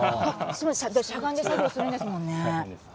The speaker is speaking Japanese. しゃがんで作業するんですよね。